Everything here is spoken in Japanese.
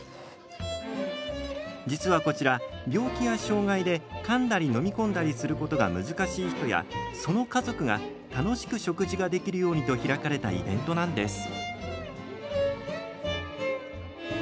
実はこちら、病気や障害でかんだり飲み込んだりすることが難しい人や、その家族が楽しく食事ができるようにと開かれたイベントなんです。